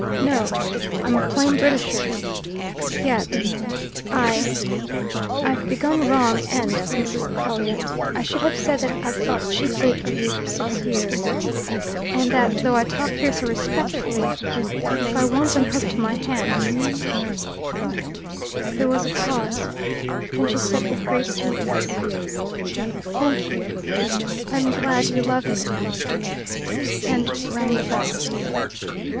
No. I'm a plain Britisher, yet I I've begun wrong end, Mrs. Elliot; I should have said that I've thought chiefly of you for six years, and that though I talk here so respectfully, if I once unhooked my hands " There was a pause. Then she said with great sweetness, "Thank you; I am glad you love me," and rang the bell.